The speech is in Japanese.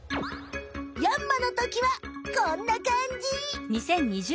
ヤンマのときはこんなかんじ！